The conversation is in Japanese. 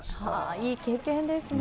いい経験ですね。